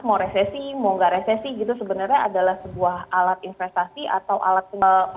mau resesi mau nggak resesi gitu sebenarnya adalah sebuah alat investasi atau alat